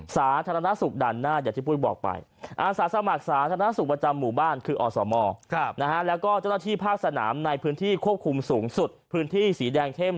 สาธารณสุขดันหน้าอย่างที่ปุ้ยบอกไป